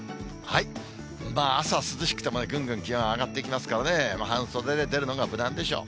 まあ、朝涼しくてもね、ぐんぐん気温上がっていきますからね、半袖で出るのが無難でしょう。